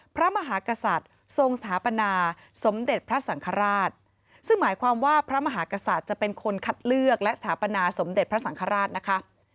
พระมหากษัตริย์ทรงสถาปนาสมเด็จพระสังฆราชซึ่งหมายความว่าพระมหากษัตริย์จะเป็นคนคัดเลือกและสถาปนาสมเด็จพระสังฆราชนะคะ